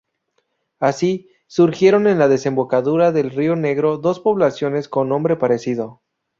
Así, surgieron en la desembocadura del río Negro dos poblaciones con nombre parecido.